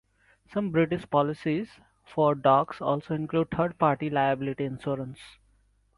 Some British policies for dogs also include third-party liability insurance.